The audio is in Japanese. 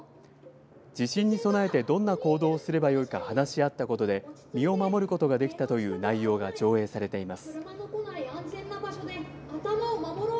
地震に備えてどんな行動をすればよいか話し合ったことで身を守ることができたという内容が上映されています。